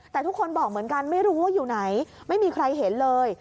แต่ทุกคนบอกเหมือนกันไม่รู้ว่าอยู่ไหนไม่มีใครเห็นเลย